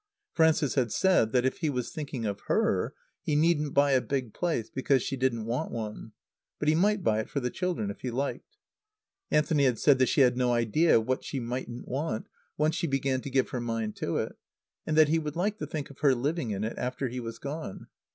Frances had said that, if he was thinking of her, he needn't buy a big place, because she didn't want one. But he might buy it for the children if he liked. Anthony had said that she had no idea of what she mightn't want, once she began to give her mind to it, and that he would like to think of her living in it after he was gone.